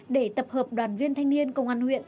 để tập hợp đoàn viên thanh niên công an huyện